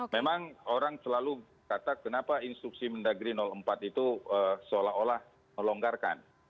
memang orang selalu kata kenapa instruksi mendagri empat itu seolah olah melonggarkan